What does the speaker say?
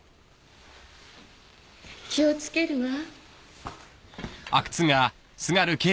気を付けるわ。